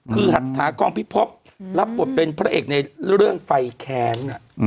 คือหัตถากองพิภพรับบทเป็นพระเอกในเรื่องไฟแค้น